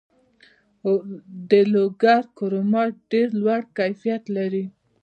د لوګر کرومایټ ډیر لوړ کیفیت لري.